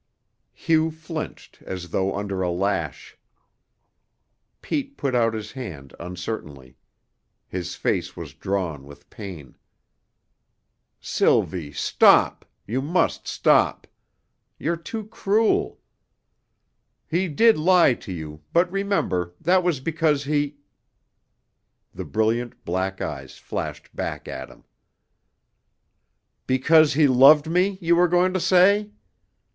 Hugh flinched as though under a lash. Pete put out his hand uncertainly; his face was drawn with pain. "Sylvie stop. You must stop. You're too cruel. He did lie to you, but remember, that was because he " The brilliant black eyes flashed back at him. "Because he loved me, you were going to say?